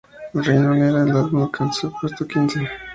En el Reino Unido, el álbum alcanzó el puesto quince.